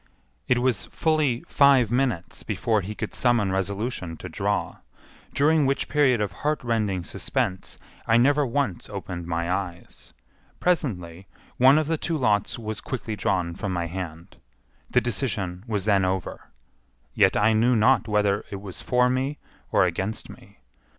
It was fully five minutes before he could summon resolution to draw, during which period of heartrending suspense I never once opened my eyes. Presently one of the two lots was quickly drawn from my hand. The decision was then over, yet I knew not whether it was for me or against me.